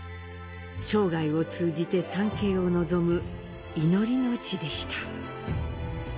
生涯を通じて参詣を望む祈りの地でした。